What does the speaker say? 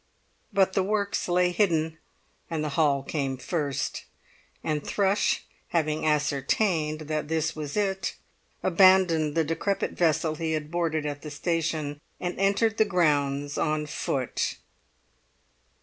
But the works lay hidden, and the hall came first; and Thrush, having ascertained that this was it, abandoned the decrepit vessel he had boarded at the station, and entered the grounds on foot.